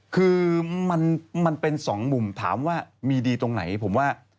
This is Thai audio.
คือมันเป็นสองมุมถามว่ามีดีตรงไหนผมว่า